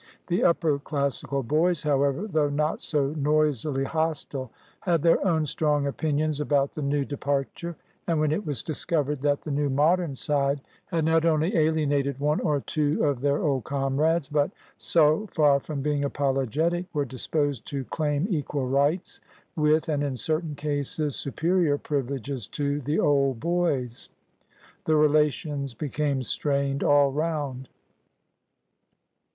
The upper Classical boys, however, though not so noisily hostile, had their own strong opinions about the new departure; and when it was discovered that the new Modern side had not only alienated one or two of their old comrades, but, so far from being apologetic, were disposed to claim equal rights with, and in certain cases superior privileges to, the old boys, the relations became strained all round.